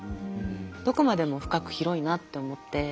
どこまでも深く広いなって思って。